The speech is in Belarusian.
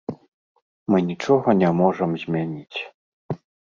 Мы нічога не можам змяніць.